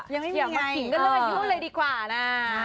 อย่างเมื่อถิ่งก็เรื่องอายุเลยดีกว่านะ